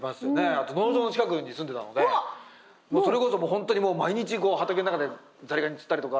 あと農場の近くに住んでたのでそれこそ本当にもう毎日こう畑の中でザリガニ釣ったりとか